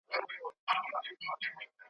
چي پر ځان مو راوستلې تباهي ده ,